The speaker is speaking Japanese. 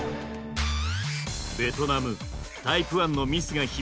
ベトナムタイプ１のミスが響き